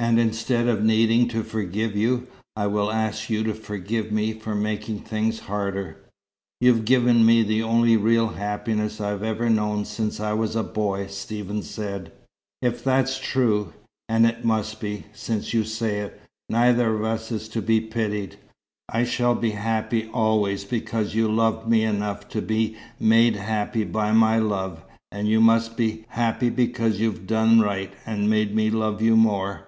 And instead of needing to forgive you, I will ask you to forgive me, for making things harder." "You've given me the only real happiness I've ever known since I was a boy," Stephen said. "If that's true and it must be, since you say it neither of us is to be pitied. I shall be happy always because you loved me enough to be made happy by my love. And you must be happy because you've done right, and made me love you more.